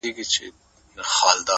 • زامنو یې سپارلی رقیبانو ته بورجل دی ,